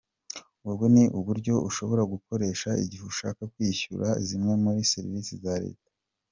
Ubu ni uburyo ushobora gukoresha igihe ushaka kwishyura zimwe muri serivisi za leta.